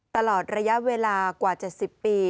ตลอดระยะเวลากว่า๗๐ปี